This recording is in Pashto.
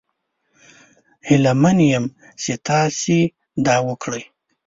هیله من یم چې تاسو دا وکړي.